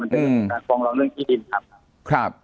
มันจะเป็นการฟังรั้วเรื่องที่บินครับครับ